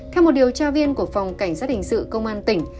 theo một điều tra viên của phòng cảnh sát hình sự công an tỉnh